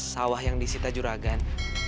ini adalah sawah yang diwisita juragan